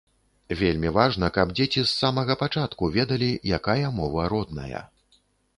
Вельмі важна, каб дзеці з самага пачатку ведалі, якая мова родная.